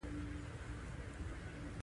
په خپل نامه یې خطبې ویلو امر کړی.